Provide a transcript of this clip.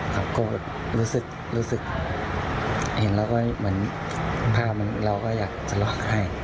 ก็รู้สึกเห็นแล้วก็เหมือนภาพเราก็อยากจะลองให้